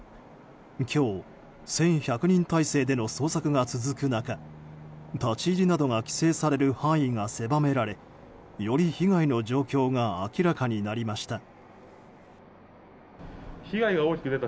今日、１１００人態勢での捜索が続く中立ち入りなどが規制される範囲が狭められより被害の状況が明らかになりました。